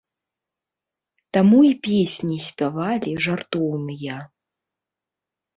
Таму і песні спявалі жартоўныя.